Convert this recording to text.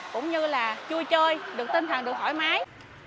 cũng như là chui chơi được tinh thần được khỏi mái